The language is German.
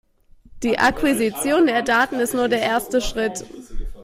Die Akquisition der Daten ist nur der erste Schritt.